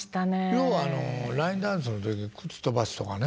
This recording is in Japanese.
要はラインダンスの時靴飛ばすとかね。